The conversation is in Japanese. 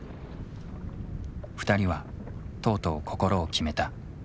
２人はとうとう心を決めた。